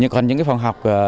còn những phòng học